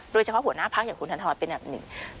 โดยแชร์ข้อหัวหน้าพักก็คือคุณทะนทรเป็นนักหนึ่ง